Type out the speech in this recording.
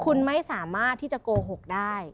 คุณไม่สามารถที่จะโกหกได้